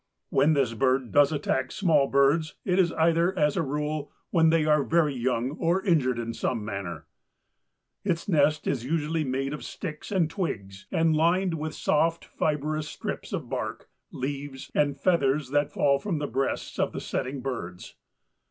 When this bird does attack small birds it is either, as a rule, when they are very young or injured in some manner. Its nest is usually made of sticks and twigs and lined with soft fibrous strips of bark, leaves and feathers that fall from the breasts of the setting birds.